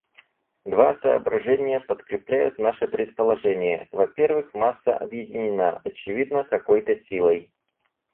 Два соображения подкрепляют наше предположение: во-первых, масса объединена, очевидно, какой-то силой.